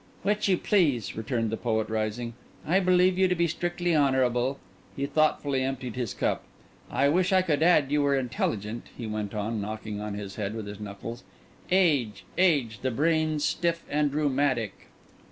"Which you please," returned the poet, rising. "I believe you to be strictly honourable." He thoughtfully emptied his cup. "I wish I could add you were intelligent," he went on, knocking on his head with his knuckles. "Age, age! the brains stiff and rheumatic."